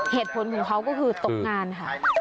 เหตุผลของเขาก็คือตกงานค่ะ